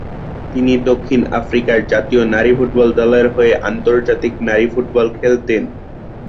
তিনি দক্ষিণ আফ্রিকার জাতীয় নারী ফুটবল দলের হয়ে আন্তর্জাতিক নারী ফুটবল খেলতেন।